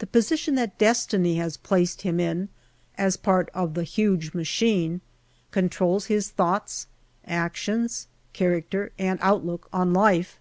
The position that Destiny has placed him in, as part of the huge machine, controls his thoughts, actions, char acter and outlook on life.